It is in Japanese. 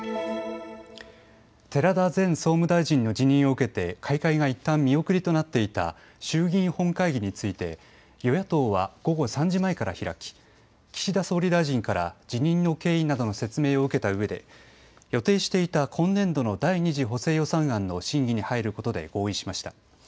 寺田前総務大臣の辞任を受けて開会がいったん見送りとなっていた衆議院本会議について与野党は午後３時前から開き岸田総理大臣から辞任の経緯などの説明を受けたうえで予定していた今年度の第２次補正予算案の審議に入ることで合意しました。